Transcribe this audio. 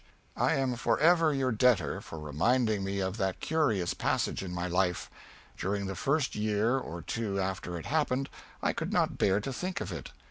I am forever your debtor for reminding me of that curious passage in my life. During the first year or two after it happened, I could not bear to think of it.